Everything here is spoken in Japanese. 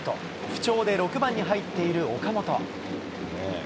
不調で６番に入っている岡本。